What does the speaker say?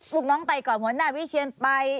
ลูกน้องไปก่อนหัวหน้าวิเชียนไป